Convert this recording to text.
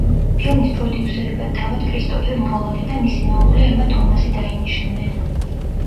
ფილმის პროდიუსერებად თავად კრისტოფერ ნოლანი და მისი მეუღლე ემა თომასი დაინიშნნენ.